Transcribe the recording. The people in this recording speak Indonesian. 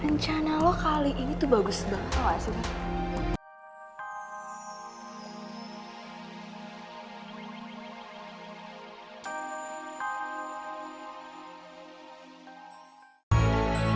rencana lo kali ini tuh bagus banget